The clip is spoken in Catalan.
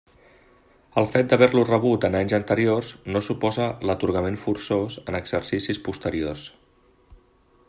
El fet d'haver-lo rebut en anys anteriors no suposa l'atorgament forçós en exercicis posteriors.